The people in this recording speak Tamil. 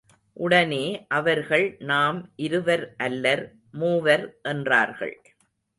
உடனே அவர்கள் நாம் இருவர் அல்லர், மூவர் என்றார்கள்.